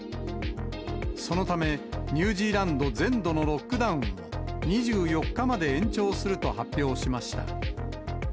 そのため、ニュージーランド全土のロックダウンを２４日まで延長すると発表しました。